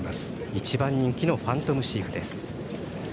１番人気のファントムシーフです。